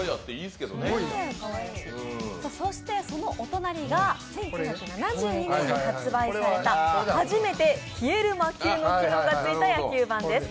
そしてそのお隣が１９７２年に発売された初めて消える魔球の機能がついた野球盤です。